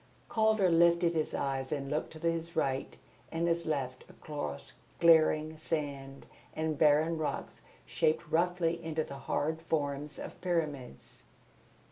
Calder lifted his eyes and looked to his right and his left across glaring sand and barren rocks shaped roughly into the hard forms of pyramids.